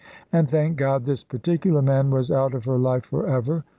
And, thank God, this particular man was out of her life for ever.